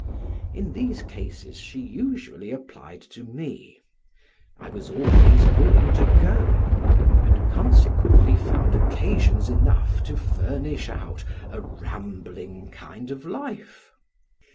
In these cases she usually applied to me; I was always willing to go, and consequently found occasions enough to furnish out a rambling kind of life.